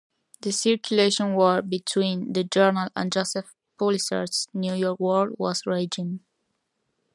The circulation war between the "Journal" and Joseph Pulitzer's "New York World" was raging.